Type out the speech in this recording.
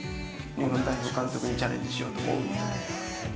日本代表監督にチャレンジしようと思うって。